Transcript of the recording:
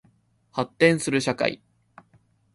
発展する社会